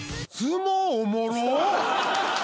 おもろっ！